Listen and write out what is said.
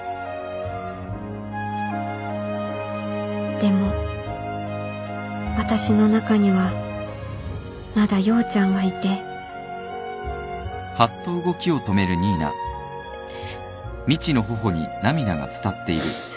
でも私の中にはまだ陽ちゃんがいてえ。